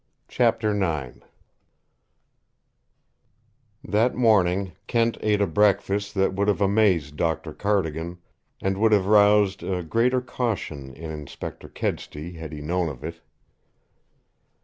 CHAPTER IX That morning Kent ate a breakfast that would have amazed Doctor Cardigan and would have roused a greater caution in Inspector Kedsty had he known of it.